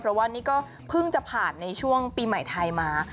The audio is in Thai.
เพราะว่านี่ก็เพิ่งจะผ่านในช่วงปีใหม่ไทยมา